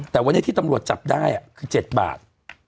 แต่วันนี้ที่ตำรวจจับได้คือ๗บาท